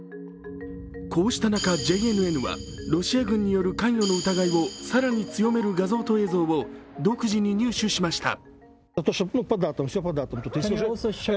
こうした中、ＪＮＮはロシア軍による関与の疑いを更に強める画像と映像を独自に入手しました。